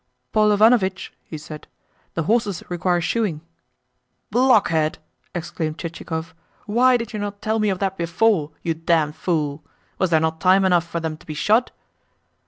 "Paul Ivanovitch," he said, "the horses require shoeing." "Blockhead!" exclaimed Chichikov. "Why did you not tell me of that before, you damned fool? Was there not time enough for them to be shod?"